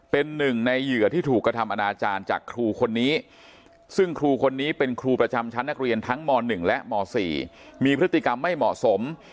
เป็นหนึ่งในเหยื่อที่ถูกกระทำอนาจารย์จากครูคนนี้ซึ่งครูคนนี้เป็นครูประจำชั้นนักเรียนทั้งม๑และม๔มีพฤติกรรมไม่เหมาะสม